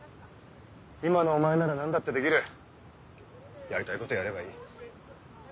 今のお前なら何だってできるやりたいことやればいい。